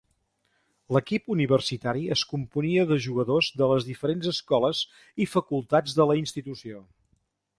L'equip universitari es componia de jugadors de les diferents escoles i facultats de la Institució.